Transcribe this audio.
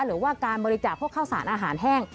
หรือว่าการบริจาคพวกข้าวสารอาหารแห้ง